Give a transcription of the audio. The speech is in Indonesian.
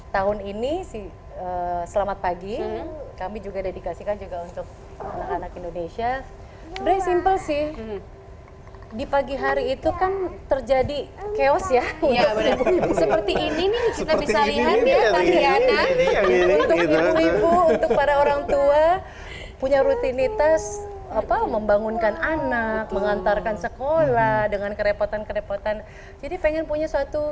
tavuk nih selamat pagi temen kami dedicated anak indonesia